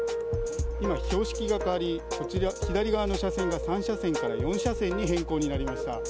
今、標識が変わり、左側の車線が３車線から４車線に変更になりました。